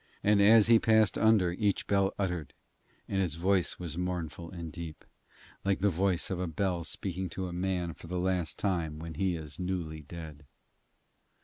And as he passed under each the bell uttered, and its voice was mournful and deep, like to the voice of a bell speaking to a man for the last time when he is newly dead.